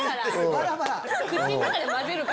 口の中で混ぜるから。